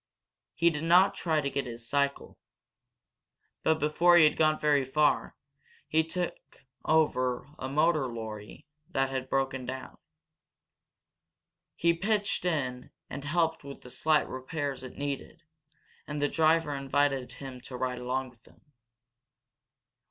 He did not try to get his cycle. But before he had gone very far he over took a motor lorry that had broken down. He pitched in and helped with the slight repairs it needed, and the driver invited him to ride along with him.